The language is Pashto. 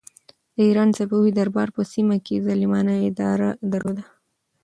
د ایران صفوي دربار په سیمه کې ظالمانه اداره درلوده.